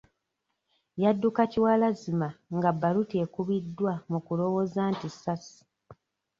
Yadduka kiwalazzima nga bbaluti ekubiddwa mu kulowooza nti ssasi.